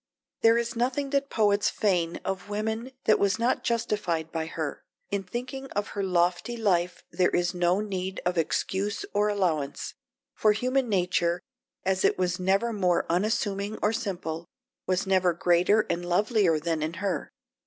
There is nothing that poets feign of women that was not justified by her. In thinking of her lofty life there is no need of excuse or allowance; for human nature, as it was never more unassuming or simple, was never greater and lovelier than in her.